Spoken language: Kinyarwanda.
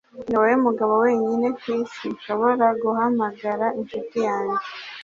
niwowe mugabo wenyine kwisi nshobora guhamagara inshuti yanjye